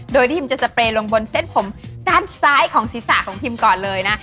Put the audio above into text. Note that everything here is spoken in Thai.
โดยพิมจะสเปรย์ลงบนเส้นผมด้านซ้ายของศีรษะของพิมก่อนเลยนะ